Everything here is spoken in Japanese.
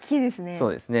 そうですね。